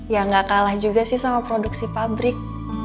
ya gak kalah juga sih sama produksi pabrik